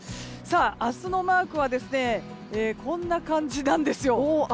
明日のマークはこんな感じです。